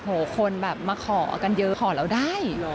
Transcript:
โอ้วคนแบบมาขอกันเยอะขอเราได้